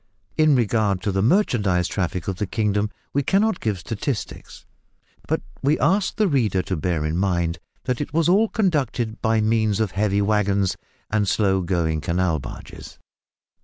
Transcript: In regard to the merchandise traffic of the kingdom, we cannot give statistics, but we ask the reader to bear in mind that it was all conducted by means of heavy waggons and slow going canal barges.